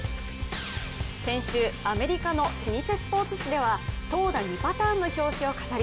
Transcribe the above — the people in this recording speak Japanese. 先週、アメリカの老舗スポーツ誌では投打２パターンの表紙を飾り